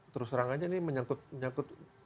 terus terangannya ini menyangkut